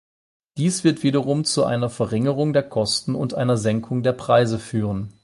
Dies wird wiederum zu einer Verringerung der Kosten und einer Senkung der Preise führen.